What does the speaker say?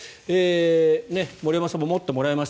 森山さんも持ってもらいました。